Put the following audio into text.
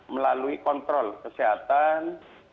melalui kontrol kesehatan